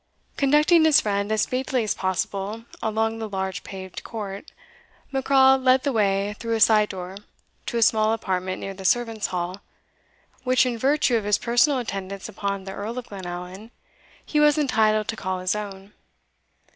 Conducting his friend as speedily as possible along the large paved court, Macraw led the way through a side door to a small apartment near the servants' hall, which, in virtue of his personal attendance upon the Earl of Glenallan, he was entitled to call his own.